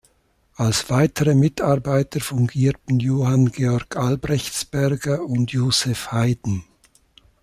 Als weitere Mitarbeiter fungierten Johann Georg Albrechtsberger und Joseph Haydn.